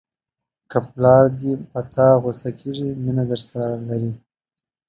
که پلار دې په تا غوسه کېږي مینه درسره لري.